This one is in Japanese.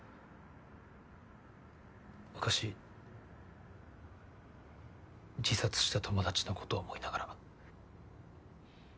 昔自殺した友達のことを思いながら。